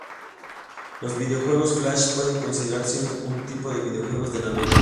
Los videojuegos flash pueden considerarse un tipo de videojuegos de navegador.